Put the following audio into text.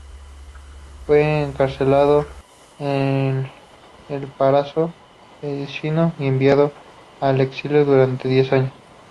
Fue encarcelado en el Palazzo Vecchio y enviado al exilio durante diez años.